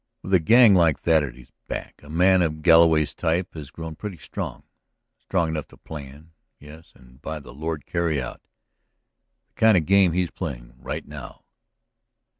"With a gang like that at his back, a man of Galloway's type has grown pretty strong. Strong enough to plan ... yes, and by the Lord, carry out! ... the kind of game he's playing right now.